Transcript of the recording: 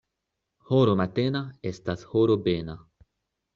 Horo matena estas horo bena.